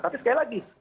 tapi sekali lagi